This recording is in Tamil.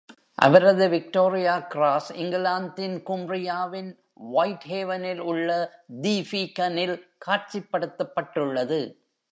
அவரது விக்டோரியா கிராஸ், இங்கிலாந்தின் கும்ப்ரியாவின் வைட்ஹேவனில் உள்ள தி பீக்கனில் காட்சிப்படுத்தப்பட்டுள்ளது.